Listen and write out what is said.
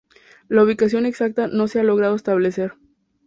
La ubicación exacta no se ha logrado establecer.